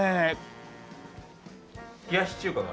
冷やし中華が。